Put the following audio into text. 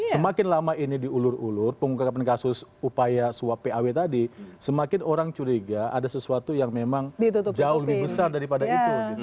semakin lama ini diulur ulur pengungkapan kasus upaya suap paw tadi semakin orang curiga ada sesuatu yang memang jauh lebih besar daripada itu